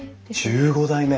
１５代目！